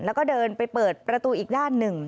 แล้วก็เดินไปเปิดประตูอีกด้านหนึ่ง